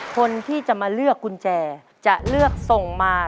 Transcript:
คนที่จะมาเลือกกุญแจจะเลือกส่งมา